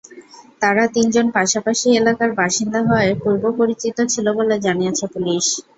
তারা তিনজন পাশাপাশি এলাকার বাসিন্দা হওয়ায় পূর্বপরিচিত ছিল বলে জানিয়েছে পুলিশ।